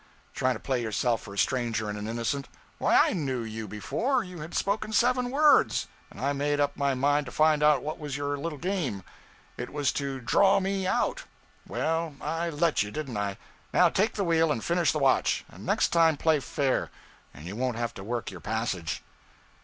Trying to play yourself for a stranger and an innocent! why, I knew you before you had spoken seven words; and I made up my mind to find out what was your little game. It was to draw me out. Well, I let you, didn't I? Now take the wheel and finish the watch; and next time play fair, and you won't have to work your passage.'